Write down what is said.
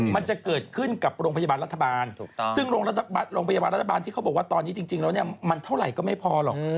มันจะเกิดขึ้นกับโรงพยาบาลรัฐบาลซึ่งโรงพยาบาลรัฐบาลที่เขาบอกว่าตอนนี้จริงแล้วเนี่ยมันเท่าไหร่ก็ไม่พอหรอก